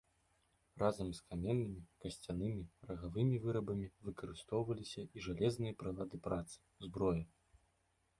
Разам з каменнымі, касцянымі, рагавымі вырабамі выкарыстоўваліся і жалезныя прылады працы, зброя.